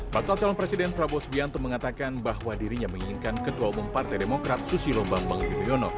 bakal calon presiden prabowo sbianto mengatakan bahwa dirinya menginginkan ketua umum partai demokrat susilo bambang yudhoyono